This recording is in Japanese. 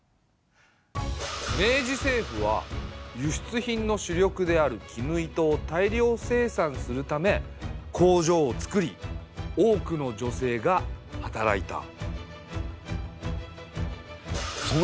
明治政府は輸出品の主力である絹糸を大量生産するため工場をつくり多くの女性が働いた。